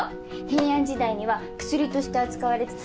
平安時代には薬として扱われて。